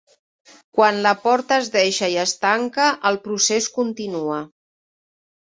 Quan la porta es deixa i es tanca, el procés continua.